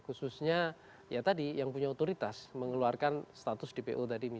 khususnya ya tadi yang punya otoritas mengeluarkan status di pu tadi nih